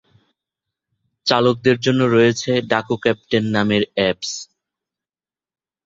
চালকদের জন্য রয়েছে ডাকো ক্যাপ্টেন নামের অ্যাপস।